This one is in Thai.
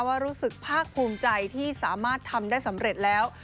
ว่ารู้สึกภาคภูมิใจที่สามารถทำได้สำเร็จแล้ว